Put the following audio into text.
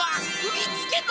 みつけた！